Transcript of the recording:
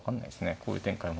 こういう展開も。